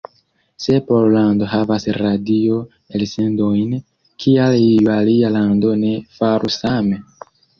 Se Pollando havas radio-elsendojn, kial iu alia lando ne faru same?